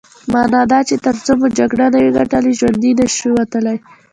مانا دا چې ترڅو مو جګړه نه وي ګټلې ژوندي نه شو وتلای.